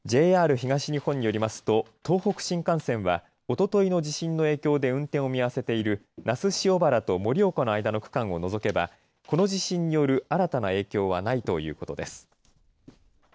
ＪＲ東日本によりますと東北新幹線は、おとといの地震の影響で運転を見合わせている那須塩原と盛岡の間の区間を除けばこの地震による新たな影響はないということです。